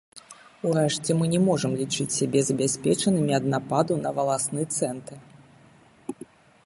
Урэшце мы не можам лічыць сябе забяспечанымі ад нападу на валасны цэнтр.